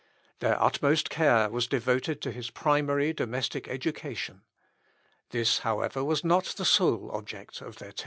Their utmost care was devoted to his primary domestic education. This, however, was not the sole object of their tender solicitude.